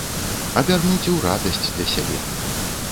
Абярнуць у радасць для сябе.